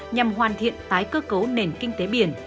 nhằm hoàn thiện tái cơ cấu nền kinh tế biển